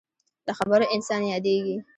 له خبرو انسان یادېږي.